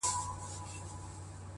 هره هڅه د داخلي ودې برخه ده،